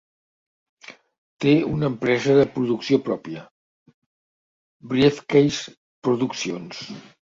Té una empresa de producció pròpia, Briefcase Productions.